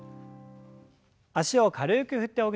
脚を軽く振ってほぐします。